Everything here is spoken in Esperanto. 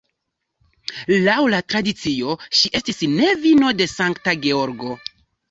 Laŭ la tradicio ŝi estis nevino de Sankta Georgo.